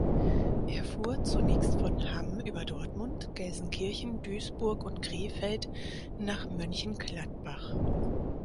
Er fuhr zunächst von Hamm über Dortmund, Gelsenkirchen, Duisburg und Krefeld nach Mönchengladbach.